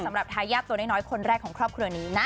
สำหรับทายับตัวน้อยคนแรกของครอบครัวนี้นะ